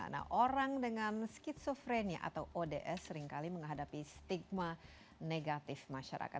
nah orang dengan skizofrenia atau ods seringkali menghadapi stigma negatif masyarakat